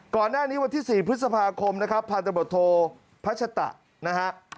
ก่อนหน้านี้วันที่๔พฤษภาคมพันธุโมโธพัชธะนะครับ